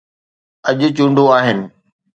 اڄ چونڊون آهن.